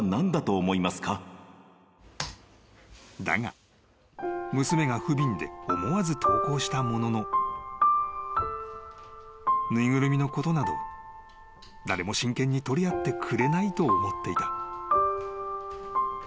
［だが娘がふびんで思わず投稿したものの縫いぐるみのことなど誰も真剣に取り合ってくれないと思っていた］